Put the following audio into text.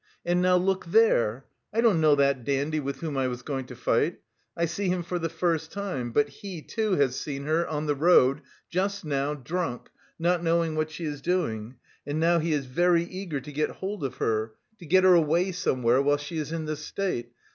And now look there: I don't know that dandy with whom I was going to fight, I see him for the first time, but he, too, has seen her on the road, just now, drunk, not knowing what she is doing, and now he is very eager to get hold of her, to get her away somewhere while she is in this state...